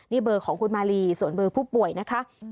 นี่เบอร์ของคุณมาลีส่วนเบอร์ผู้ป่วยนะคะ